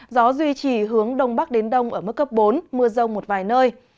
gió duy trì hướng đông bắc đến đông ở mức cấp bốn mưa rông một vài nơi